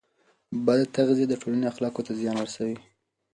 بد تغذیه د ټولنې اخلاقو ته زیان رسوي.